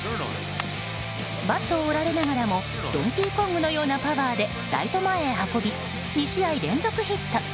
バットを折られながらもドンキーコングのようなパワーでライト前へ運び２試合連続ヒット。